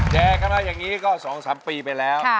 แก่กันมาอย่างนี้ก็๒๓ปีไปแล้ว